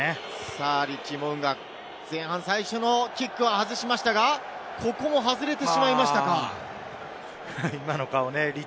モウンガ、前半キックを外しましたが、ここも外れてしまいましたか。